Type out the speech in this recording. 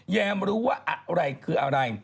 แมมรู้ว่าอะไรคืออะไร